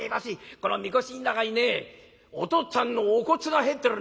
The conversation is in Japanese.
この神輿の中にねお父っつぁんのお骨が入ってるんだ。